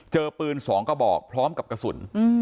เจอปืน๒กระบอกพร้อมกับกระสุน